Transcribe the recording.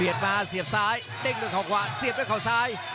มาเสียบซ้ายเด้งด้วยเขาขวาเสียบด้วยเขาซ้าย